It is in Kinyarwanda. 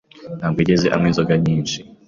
ntabwo yigeze anywa inzoga nyinshi.